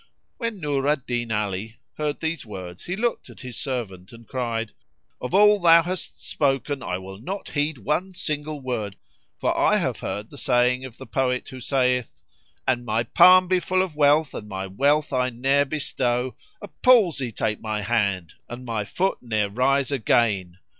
When Nur al Din Ali heard these words he looked at his servant and cried, "Of all thou hast spoken I will not heed one single word, for I have heard the saying of the poet who saith, 'An my palm be full of wealth and my wealth I ne'er bestow, * A palsy take my hand and my foot ne'er rise again!